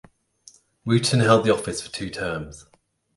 Wooton held the office for two terms.